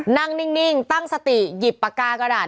นิ่งตั้งสติหยิบปากกากระดาษ